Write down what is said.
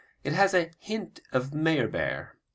It has a hint of Meyerbeer.